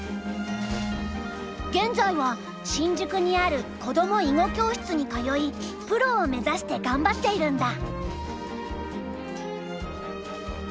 現在は新宿にあるこども囲碁教室に通いプロを目指して頑張っているんだ。